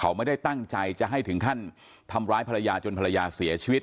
เขาไม่ได้ตั้งใจจะให้ถึงขั้นทำร้ายภรรยาจนภรรยาเสียชีวิต